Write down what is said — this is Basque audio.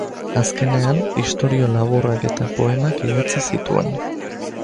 Azkenean, istorio laburrak eta poemak idatzi zituen.